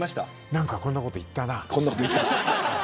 なんか、こんなこと言ったな。